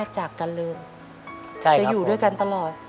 จะอยู่ด้วยกันตลอด